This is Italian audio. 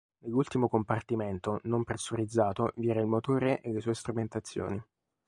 Nell'ultimo compartimento, non pressurizzato, vi era il motore e le sue strumentazioni.